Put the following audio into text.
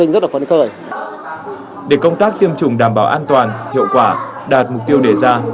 để công tác tiêm chủng đảm bảo an toàn hiệu quả đạt mục tiêu đề ra